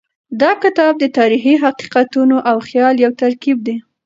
دا کتاب د تاریخي حقیقتونو او خیال یو ترکیب دی.